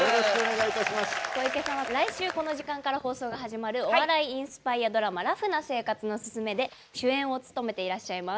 小池さんは来週この時間から放送が始まるお笑いインスパイアドラマ「ラフな生活のススメ」で主演を務めていらっしゃいます。